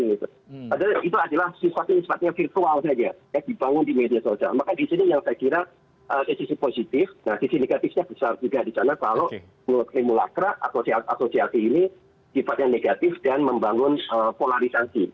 di sana kalau menurut simulacra asosiasi ini tiba tiba negatif dan membangun polarisasi